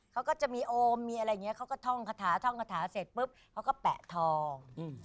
เขาก็จะมีโอมมีอะไรอีกต้องฐานั่นจากนั้นเขาแยกทอง